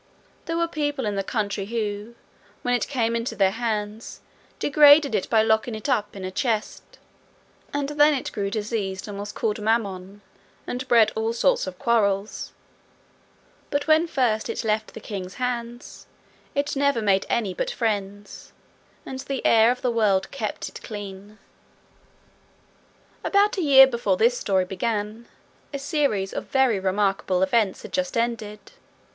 There were people in the country who, when it came into their hands, degraded it by locking it up in a chest, and then it grew diseased and was called mammon, and bred all sorts of quarrels; but when first it left the king's hands it never made any but friends, and the air of the world kept it clean. About a year before this story began, a series of very remarkable events had just ended.